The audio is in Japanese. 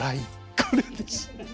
これです。